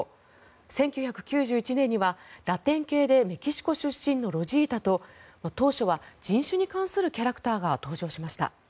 １９９１年には、ラテン系でメキシコ出身のロジータと当初は人種に関するキャラクターが登場しました。